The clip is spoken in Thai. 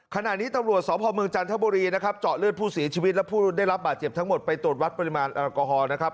ขณะนี้ตำรวจสพเมืองจันทบุรีนะครับเจาะเลือดผู้เสียชีวิตและผู้ได้รับบาดเจ็บทั้งหมดไปตรวจวัดปริมาณแอลกอฮอล์นะครับ